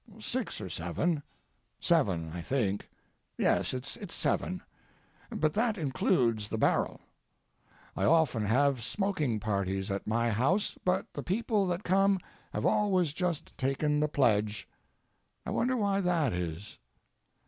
Six or seven. Seven, I think. Yes; it's seven. But that includes the barrel. I often have smoking parties at my house; but the people that come have always just taken the pledge. I wonder why that is?